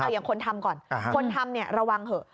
อย่างคนทำก่อนคนทำระวังเถอะ